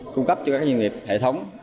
cung cấp cho các doanh nghiệp hệ thống